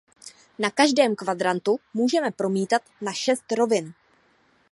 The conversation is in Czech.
V každém kvadrantu můžeme promítat na šest rovin.